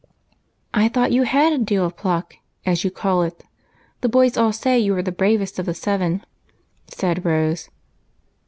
" I thought you had a ' deal of pluck,' as you call it. The boys all say you are the bravest of the seven,'* said Rose.